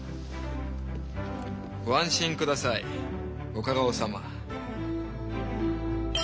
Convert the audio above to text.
ご安心下さいご家老様。